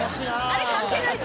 あれ関係ないの？